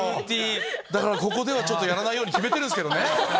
だからここではやらないように決めてるんすけどね。